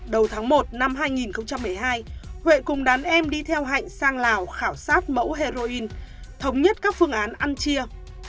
đầu tháng một năm hai nghìn một mươi hai huệ cùng đàn em đi theo hạnh sang lào khảo sát mẫu heroin thống nhất các phương án ăn chia